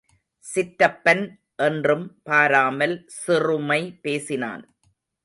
சிற்றப்பன் என்றும் பாராமல் சிறுமை பேசினான்.